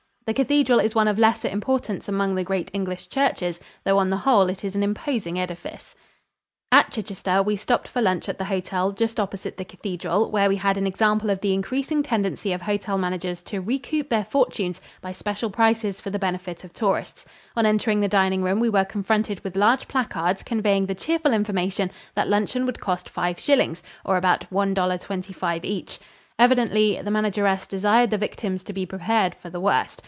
The cathedral is one of lesser importance among the great English churches, though on the whole it is an imposing edifice. [Illustration: A SURREY LANDSCAPE. From Painting by D. Sherrin.] At Chichester we stopped for lunch at the hotel, just opposite the cathedral, where we had an example of the increasing tendency of hotel managers to recoup their fortunes by special prices for the benefit of tourists. On entering the dining room we were confronted with large placards conveying the cheerful information that luncheon would cost five shillings, or about $1.25 each. Evidently the manageress desired the victims to be prepared for the worst.